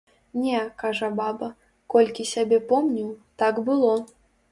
Не, кажа баба, колькі сябе помню, так было.